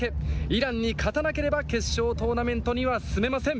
イランに勝たなければ決勝トーナメントには進めません。